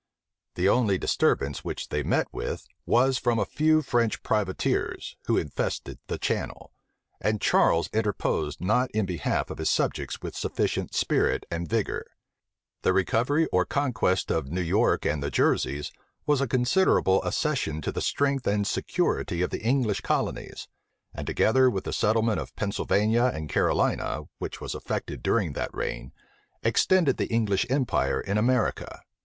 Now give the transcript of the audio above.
The only disturbance which they met with, was from a few French privateers, who infested the channel; and Charles interposed not in behalf of his subjects with sufficient spirit and vigor. * Pepys's Memoirs, p. 4. Memoirs of English Affairs, chiefly naval. Lives of the Admirals, vol. ii. p. 476. The recovery or conquest of New York and the Jerseys was a considerable accession to the strength and security of the English colonies; and, together with the settlement of Pennsylvania and Carolina which was effected during that reign, extended the English empire in America.